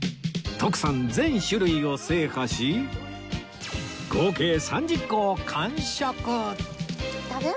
徳さん全種類を制覇し合計３０個を完食！